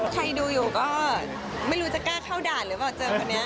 ใครดูอยู่ก็ไม่รู้จะกล้าเข้าด่านหรือเปล่าเจอคนนี้